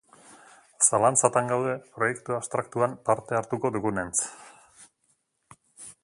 Zalantzatan gaude proiektu abstraktuan parte hartuko dugunentz.